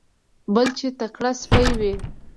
بل چې تکړه سپی وي.